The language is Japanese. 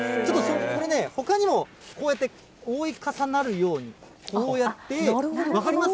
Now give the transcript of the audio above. これね、ほかにもこうやって覆い重なるように、こうやって、分かります？